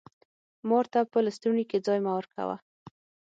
مار ته په لستوڼي کي ځای مه ورکوه!